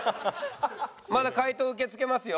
まだ解答を受け付けますよ。